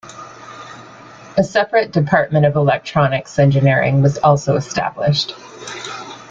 A separate Department of Electronics Engineering was also established.